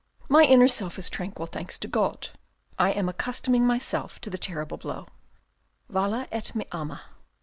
My inner self is tranquil, thanks to God. I am accustoming myself to the terrible blow, ' Vale et me ama.'